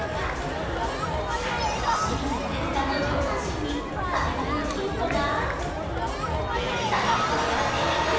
清水ディレクターの上半身に最大のヒントが！？